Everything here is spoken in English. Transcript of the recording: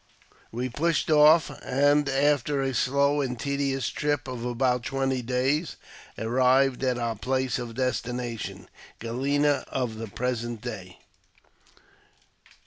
"We pushed off, and after a slow and tedious trip of about twenty days, arrived at our place of destination (Galena of the present day).